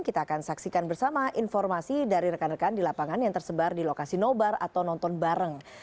kita akan saksikan bersama informasi dari rekan rekan di lapangan yang tersebar di lokasi nobar atau nonton bareng